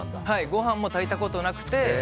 ご飯も炊いたことなくて。